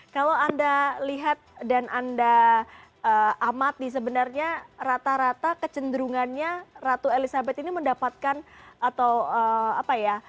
kalau anda lihat dan anda amati sebenarnya rata rata kecenderungannya ratu elizabeth ini mendapatkan atau apa ya